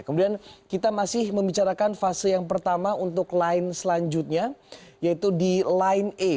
kemudian kita masih membicarakan fase yang pertama untuk line selanjutnya yaitu di line e